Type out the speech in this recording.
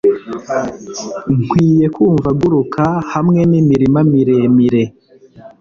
Nkwiye kumva aguruka hamwe nimirima miremire